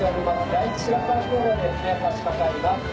第一白川橋梁ですね差しかかります。